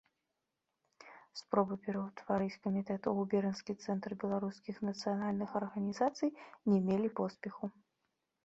Спробы пераўтварыць камітэт у губернскі цэнтр беларускіх нацыянальных арганізацый не мелі поспеху.